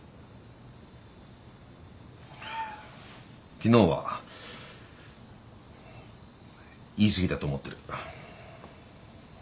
昨日は言い過ぎたと思ってる。